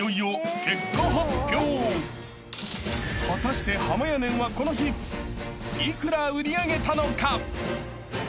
［果たしてはまやねんはこの日幾ら売り上げたのか？］